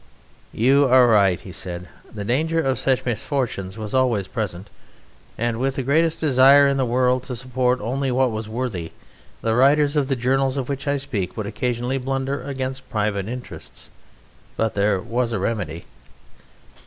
"You are right," said he; "the danger of such misfortunes was always present, and with the greatest desire in the world to support only what was worthy the writers of the journals of which I speak would occasionally blunder against private interests; but there was a remedy."